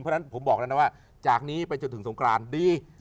เพราะฉะนั้นผมบอกแล้วนะว่าจากนี้ไปจนถึงสงกรานดี